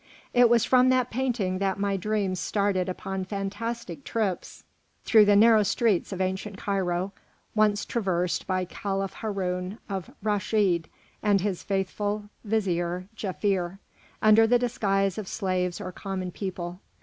It was from that painting that my dreams started upon fantastic trips through the narrow streets of ancient Cairo once traversed by Caliph Haroun al Raschid and his faithful vizier Jaffier, under the disguise of slaves or common people.